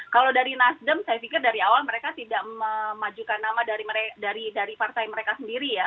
kalau dari nasdem saya pikir dari awal mereka tidak memajukan nama dari partai mereka sendiri ya